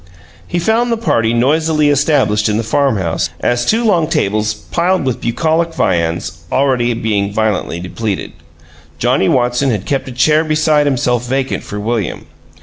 He found the party noisily established in the farm house at two long tables piled with bucolic viands already being violently depleted. Johnnie Watson had kept a chair beside himself vacant for William.